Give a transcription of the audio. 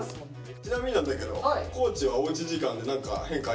ちなみになんだけど地はおうち時間で何か変化ありました？